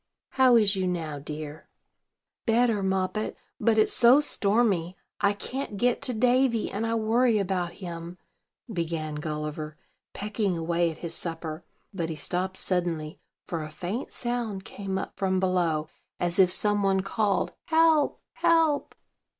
How is you now, dear?" "Better, Moppet; but, it's so stormy, I can't get to Davy; and I worry about him," began Gulliver, pecking away at his supper: but he stopped suddenly, for a faint sound came up from below, as if some one called, "Help, help!"